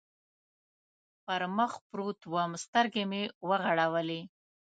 پر مخ پروت ووم، سترګې مې و غړولې.